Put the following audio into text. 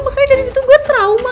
makanya dari situ gue trauma